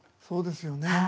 そうですよね。